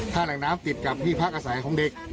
ถ้าแหล่งน้ำติดกับที่พักอาศัยของเด็ก